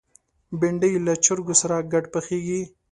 بېنډۍ له چرګو سره ګډ پخېږي